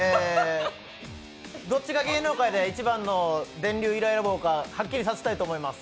どっちが芸能界で一番の電流イライラ棒かはっきりさせたいと思います！